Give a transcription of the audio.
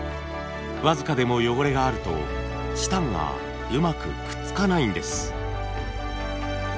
僅かでも汚れがあるとチタンがうまくくっつかないんです。